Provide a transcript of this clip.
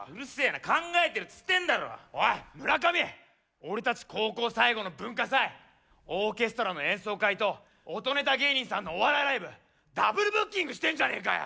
俺たち高校最後の文化祭オーケストラの演奏会と音ネタ芸人さんのお笑いライブダブルブッキングしてんじゃねえかよ！